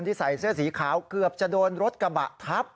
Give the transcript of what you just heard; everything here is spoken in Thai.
ใส่เสื้อสีขาวเกือบจะโดนรถกระบะทับ